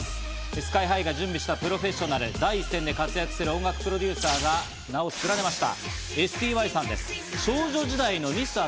ＳＫＹ−ＨＩが準備したプロフェッショナル、第一線で活躍する音楽プロデューサーが名を連ねました。